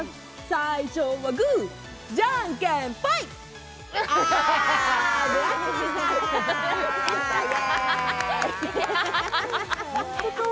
最初はぐじゃんけんぽいわ！